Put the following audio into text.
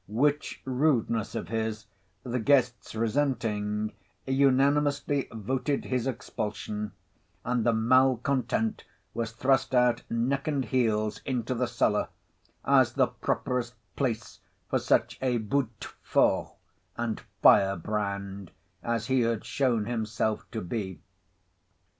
Which rudeness of his, the guests resenting, unanimously voted his expulsion; and the male content was thrust out neck and heels into the cellar, as the properest place for such a boutefeu and firebrand as he had shown himself to be.